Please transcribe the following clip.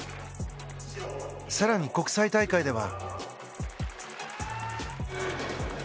更に、国際大会では。